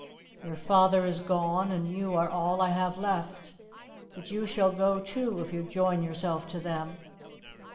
Your father is gone, and you are all I have left, but you shall go too if you join yourself to them."